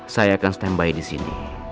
saya akan standby di sini